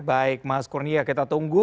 baik mas kurnia kita tunggu